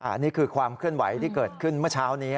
อันนี้คือความเคลื่อนไหวที่เกิดขึ้นเมื่อเช้านี้